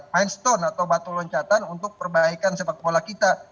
mindstone atau batu loncatan untuk perbaikan sepak bola kita